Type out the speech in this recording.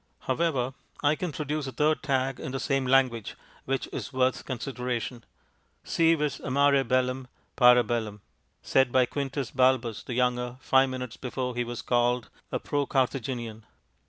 However, I can produce a third tag in the same language, which is worth consideration. Si vis amare bellum, para bellum said by Quintus Balbus the Younger five minutes before he was called a pro Carthaginian.